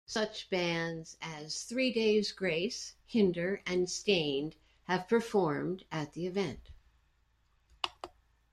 Such bands as Three Days Grace, Hinder, and Staind have performed at the event.